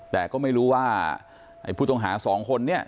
แต่ก็ไม่รู้ว่าไอ้ผู้ต้องหาสองคนเนี่ย